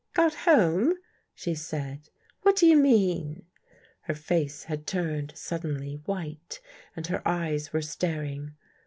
'' Got home," she said. " What do you mean? " Her face had turned suddenly white and her eyes were staring.